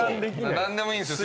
何でもいいんですよ